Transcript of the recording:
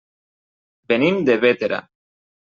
Venim de Bétera.